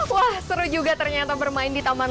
wah seru juga ternyata bermain di taman labirin ini